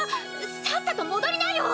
さっさと戻りなよ！